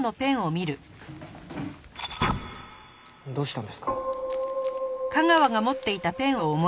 どうしたんですか？